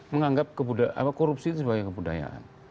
menganggap korupsi itu sebagai kebudayaan